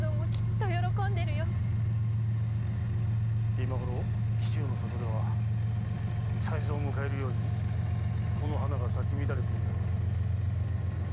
今ごろ紀州の里では才蔵を迎えるようにこの花が咲き乱れているだろう。